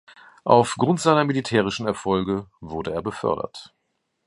Auf Grund seiner militärischen Erfolge wurde er befördert.